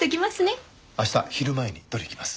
明日昼前に取りに来ます。